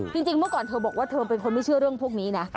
จริงเมื่อก่อนเธอบอกว่าเธอเป็นคนไม่เชื่อเรื่องพวกนี้นะ